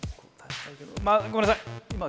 まあごめんなさい！